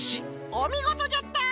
おみごとじゃった！